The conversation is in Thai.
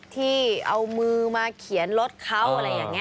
ที่เอามือมาเขียนรถเขาอะไรอย่างนี้